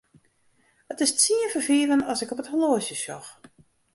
It is tsien foar fiven as ik op it horloazje sjoch.